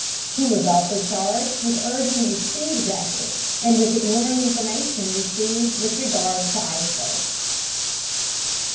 He was also charged with urging a speed record and with ignoring information received with regard to icebergs.